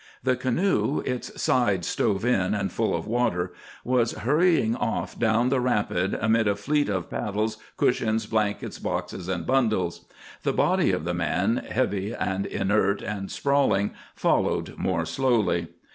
The canoe, its side stove in, and full of water, was hurrying off down the rapid amid a fleet of paddles, cushions, blankets, boxes, and bundles. The body of the man, heavy and inert and sprawling, followed more slowly.